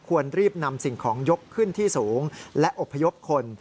ควรรีบนำสิ่งของยกขึ้นที่สูงและอบพยพคน